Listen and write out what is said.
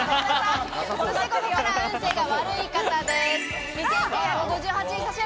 そしてここからは運勢が悪い方です。